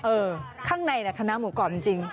เออข้างในขนาดหมูกรอบจริง